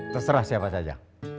terserah siapa saja